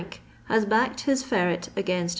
hu backed hia Ferret against Mr. W.